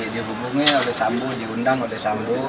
dihubungi oleh sambu diundang oleh sambu